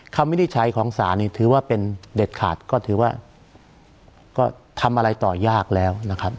วินิจฉัยของศาลนี่ถือว่าเป็นเด็ดขาดก็ถือว่าก็ทำอะไรต่อยากแล้วนะครับ